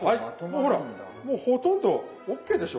ほらもうほとんどＯＫでしょ